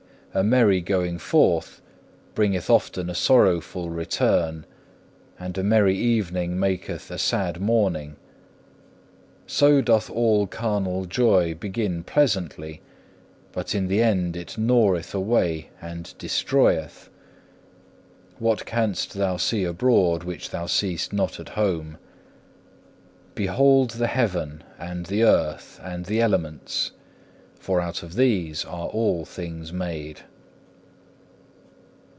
A merry going forth bringeth often a sorrowful return, and a merry evening maketh a sad morning? So doth all carnal joy begin pleasantly, but in the end it gnaweth away and destroyeth. What canst thou see abroad which thou seest not at home? Behold the heaven and the earth and the elements, for out of these are all things made.